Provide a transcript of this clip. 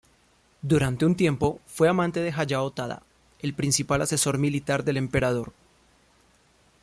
Durante un tiempo fue amante de Hayao Tada, el principal asesor militar del emperador.